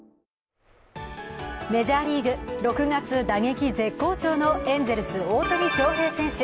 メジャーリーグ、６月打撃絶好調のエンゼルス・大谷翔平選手。